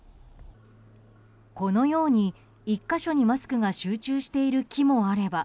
このように１か所にマスクが集中している木もあれば。